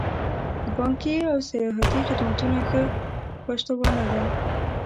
بانکي او سیاحتي خدمتونه ښه پشتوانه ده.